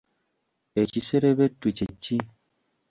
Ekiserebetu kye ki?